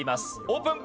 オープン！